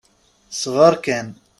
Sber kan.